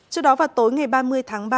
trước đó vào tối ngày ba mươi tháng ba